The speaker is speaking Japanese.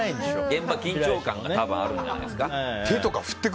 現場は緊張感が多分、あるんじゃないですか？